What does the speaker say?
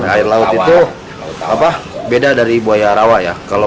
air laut itu beda dari buaya rawa ya